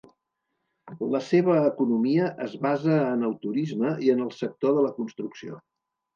La seva economia es basa en el turisme i en el sector de la construcció.